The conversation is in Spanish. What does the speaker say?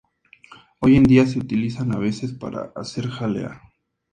Hoy en día se utilizan a veces para hacer jalea.